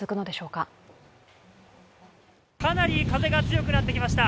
かなり風が強くなってきました。